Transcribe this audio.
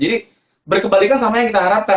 jadi berkebalikan sama yang kita harapkan